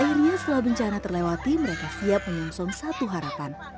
akhirnya setelah bencana terlewati mereka siap menyongsong satu harapan